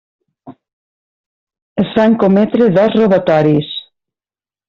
Es van cometre dos robatoris.